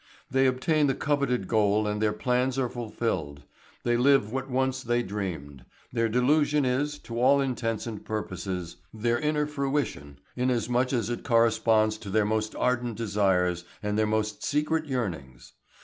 They obtain the coveted goal and their plans are fulfilled. They live what once they dreamed. Their delusion is, to all intents and purposes, their inner fruition, inasmuch as it corresponds to their most ardent desires and their most secret yearnings.